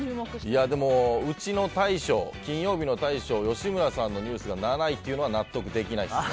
でもうちの金曜日の大将の吉村さんのニュースが７位は納得できないです。